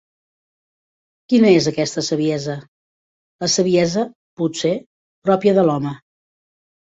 Quina és aquesta saviesa? La saviesa, potser, pròpia de l'home.